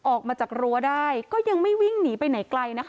ออกมาจากรั้วได้ก็ยังไม่วิ่งหนีไปไหนไกลนะคะ